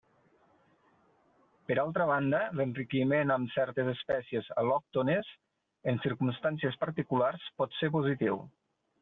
Per altra banda l'enriquiment amb certes espècies al·lòctones, en circumstàncies particulars, pot ser positiu.